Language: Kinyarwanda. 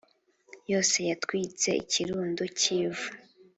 yose yatwitse ikirundo cy'ivu